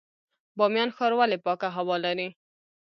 بامیان ښار ولې پاکه هوا لري؟